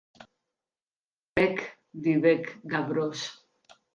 Pèc, didec Gavroche.